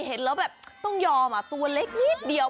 เห็นแล้วแบบต้องยอมตัวเล็กนิดเดียว